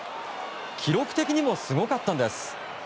記録的にもすごかったんです。